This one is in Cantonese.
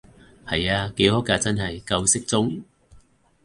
係啊，幾好㗎真係，夠適中